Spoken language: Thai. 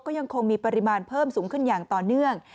ก็ยังคงมีปริมาณเพิ่มสูงขึ้นอย่างต่อเนื่อง